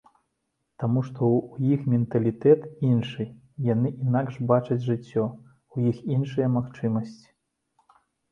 Таму што ў іх менталітэт іншы, яны інакш бачаць жыццё, у іх іншыя магчымасці.